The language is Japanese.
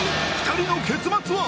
２人の結末は？